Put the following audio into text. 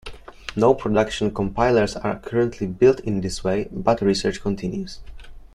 No production compilers are currently built in this way, but research continues.